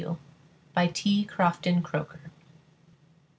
T. CROFTON CROKER.